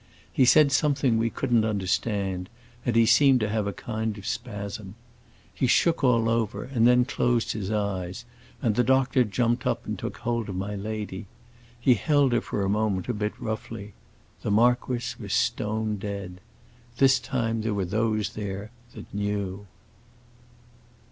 He said something we couldn't understand, and he seemed to have a kind of spasm. He shook all over and then closed his eyes, and the doctor jumped up and took hold of my lady. He held her for a moment a bit roughly. The marquis was stone dead! This time there were those there that knew."